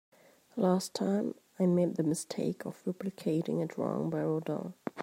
Last time, I made the mistake of replicating a drawing by Rodin.